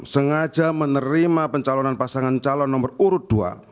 sengaja menerima pencalonan pasangan calon nomor urut dua